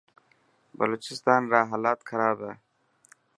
بلوچستان را هالات خراب هي.